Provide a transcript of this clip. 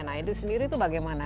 nah itu sendiri itu bagaimana